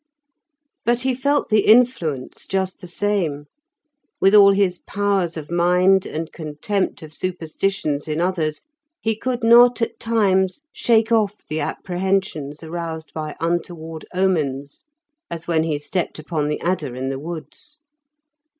But he felt the influence just the same; with all his powers of mind and contempt of superstitions in others, he could not at times shake off the apprehensions aroused by untoward omens, as when he stepped upon the adder in the woods.